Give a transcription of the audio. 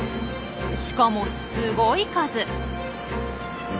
しかもすごい数。